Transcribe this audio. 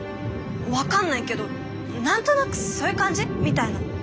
分かんないけどなんとなくそういう感じ？みたいな。